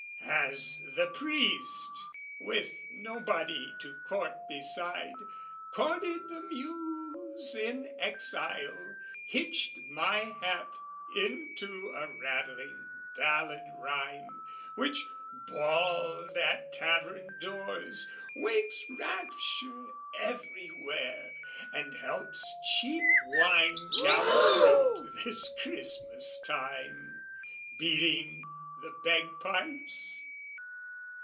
"Has the priest, with nobody to court beside, "Courted the Muse in exile, hitched my hap "Into a rattling ballad rhyme which, bawled "At tavern doors, wakes rapture everywhere, "And helps cheap wine down throat this Christmas time, "Beating the bagpipes?